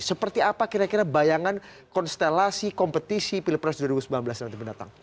seperti apa kira kira bayangan konstelasi kompetisi pilpres dua ribu sembilan belas nanti mendatang